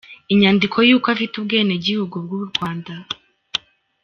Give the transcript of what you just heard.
Inyandiko y’uko afite ubwenegihugu bw’u Rwanda.